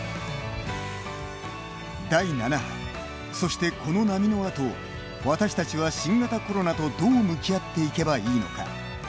第７波、そして、この波のあと私たちは新型コロナとどう向き合っていけばいいのか。